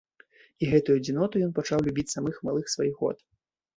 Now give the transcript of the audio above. І гэтую адзіноту ён пачаў любіць з самых малых сваіх год.